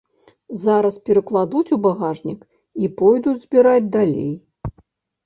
Зараз перакладуць у багажнік і пойдуць збіраць далей.